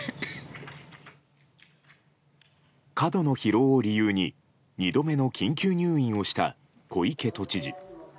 過度の疲労を理由に２度目の緊急入院をした小池都知事。